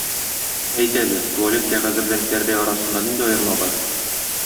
Әйт әле, туалет кәгазе белән пәрдә арасында нинди аерма бар?